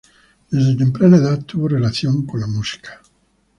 Desde temprana edad tuvo relación con la música.